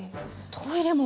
トイレも！？